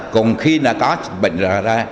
cùng khi đã có bệnh rồi ra